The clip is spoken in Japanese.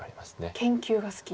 研究が好き。